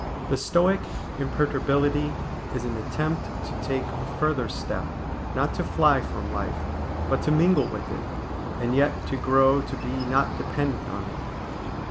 The Stoic imperturbability is an attempt to take a further step; not to fly from life, but to mingle with it, and yet to grow to be not dependent on it.